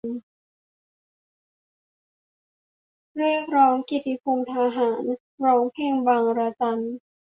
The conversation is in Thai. เรียกร้องเกียรติภูมิทหาร ร้องเพลงบางระจัน